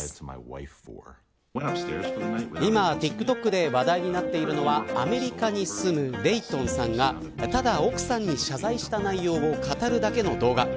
今、ＴｉｋＴｏｋで話題になっているのはアメリカに住むレイトンさんがただ奥さんに謝罪した内容を語るだけの動画。